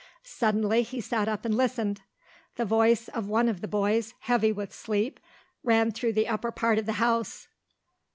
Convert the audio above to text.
Suddenly he sat up and listened. The voice of one of the boys, heavy with sleep, ran through the upper part of the house.